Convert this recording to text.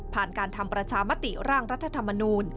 การทำประชามติร่างรัฐธรรมนูล